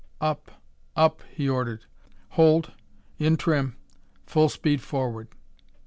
"Up up," he ordered. "Hold in trim full speed forward!"